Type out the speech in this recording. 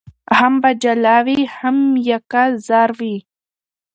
هم به جاله وي هم یکه زار وي